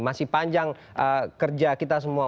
masih panjang kerja kita semua